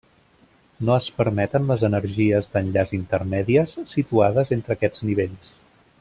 No es permeten les energies d'enllaç intermèdies situades entre aquests nivells.